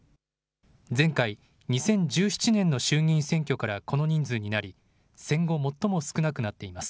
前回、２０１７年の衆議院選挙からこの人数になり、戦後最も少なくなっています。